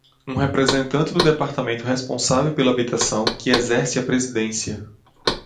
Um representante do departamento responsável pela habitação, que exerce a presidência.